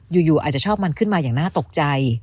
อยู่อาจจะชอบมันขึ้นมาอย่างน่าตกใจ